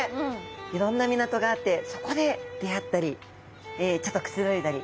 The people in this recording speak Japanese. いろんな港があってそこで出会ったりちょっとくつろいだり。